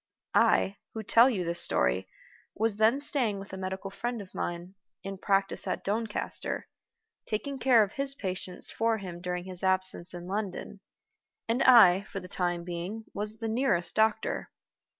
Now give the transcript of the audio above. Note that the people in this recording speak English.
I, who tell you this story, was then staying with a medical friend of mine, in practice at Doncaster, taking care of his patients for him during his absence in London; and I, for the time being, was the nearest doctor.